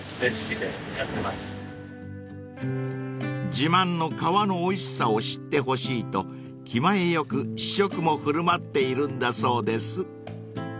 ［自慢の皮のおいしさを知ってほしいと気前よく試食も振る舞っているんだそうです］